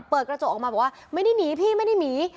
เปิดกระจกออกมาบอกว่าไม่ได้หนีพี่ไม่ได้หนี